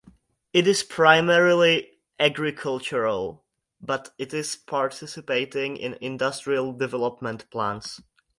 It is primarily agricultural, but it is participating in industrial development plans.